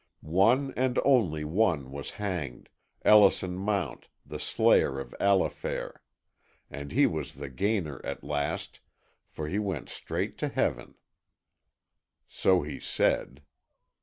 One and only one was hanged, Ellison Mount, the slayer of Allifair, and he was the gainer at last, for he went straight to heaven. So he said.